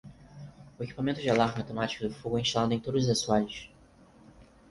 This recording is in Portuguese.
O equipamento de alarme automático do fogo é instalado em todos os assoalhos.